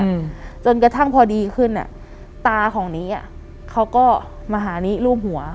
อืมจนกระทั่งพอดีขึ้นอ่ะตาของนี้อ่ะเขาก็มาหานี้รูปหัว